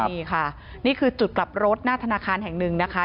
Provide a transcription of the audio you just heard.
นี่ค่ะนี่คือจุดกลับรถหน้าธนาคารแห่งหนึ่งนะคะ